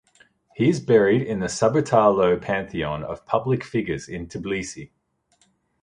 He is buried in the Saburtalo Pantheon of public figures in Tbilisi.